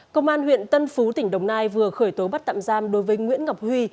công an huyện tân phú tỉnh đồng nai vừa khởi tố bắt tạm giam đối với nguyễn ngọc huy